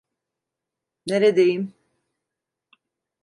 Neredeyim?